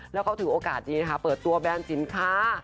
แล้วเขาถือโอกาสดีนะคะเปิดตัวแบรนด์สินค้า